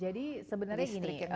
jadi sebenarnya ini